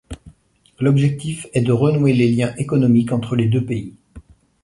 L'objectif est de renouer les liens économiques entre les deux pays.